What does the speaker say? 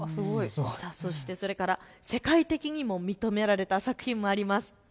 それから世界的にも認められた作品もあります。